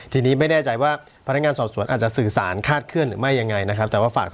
ทีนี้ไม่แน่ใจว่าพนักงานสอบสวนอาจสื่อสารคาดเคลื่อนหรือไม่